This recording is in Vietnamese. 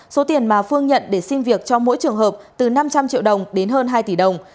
số tiền mà phương nhận để xin việc cho mỗi trường hợp từ năm trăm linh triệu đồng đến hơn hai tỷ đồng